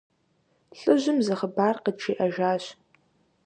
ЛӀыжьым зы хъыбар къыджиӀэжащ.